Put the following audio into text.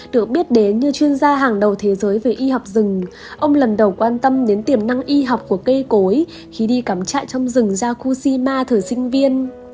được biết đến như chuyên gia hàng đầu thế giới về y học rừng ông lần đầu quan tâm đến tiềm năng y học của cây cối khi đi cắm trại trong rừng yakushima thử sinh viên